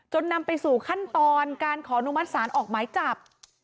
นำไปสู่ขั้นตอนการขอนุมัติศาลออกหมายจับ